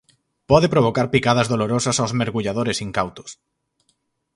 Pode provocar picadas dolorosas aos mergulladores incautos.